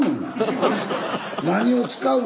何を使うの？